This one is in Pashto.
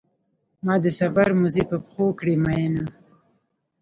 ما د سفر موزې په پښو کړې مینه.